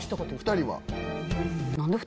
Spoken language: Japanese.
２人は？